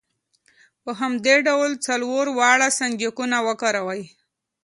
په همدې ډول څلور واړه سنجاقونه وکاروئ.